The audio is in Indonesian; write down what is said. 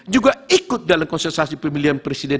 juga ikut dalam konsentrasi pemilihan presiden